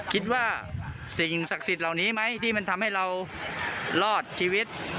คิดว่าสิ่งศักดิ์สิทธิ์เหล่านี้ไหมที่มันทำให้เรารอดชีวิต